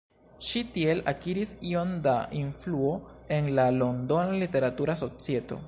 Ŝi tiel akiris iom da influo en la londona literatura societo.